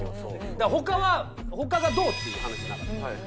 だから他がどうっていう話なんですよ。